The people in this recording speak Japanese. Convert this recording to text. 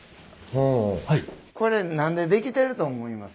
これ何で出来てると思います？